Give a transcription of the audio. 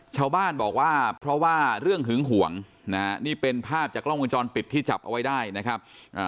ชาวบ้านบอกว่าเพราะว่าเรื่องหึงห่วงนะฮะนี่เป็นภาพจากกล้องวงจรปิดที่จับเอาไว้ได้นะครับ